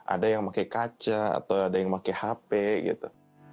ada yang pakai kaca atau ada yang pakai hp gitu